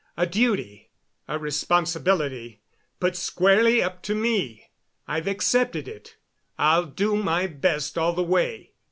"A duty a responsibility put squarely up to me. I've accepted it. I'll do my best all the way."